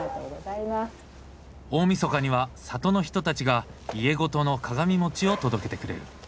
大みそかには里の人たちが家ごとの鏡餅を届けてくれる。